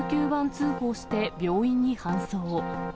通報して病院に搬送。